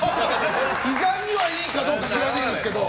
ひざにいいかどうかは知らないですけど。